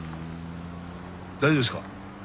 大丈夫ですか？